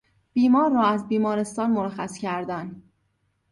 بیمار را از بیمارستان مرخص کردن